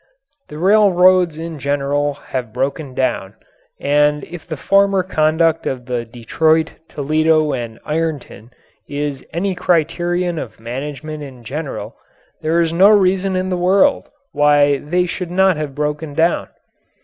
The railroads in general have broken down, and if the former conduct of the Detroit, Toledo & Ironton is any criterion of management in general there is no reason in the world why they should not have broken down.